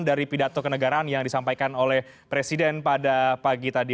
dari pidato kenegaraan yang disampaikan oleh presiden pada pagi tadi